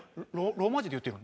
ローマ字で言うてるの？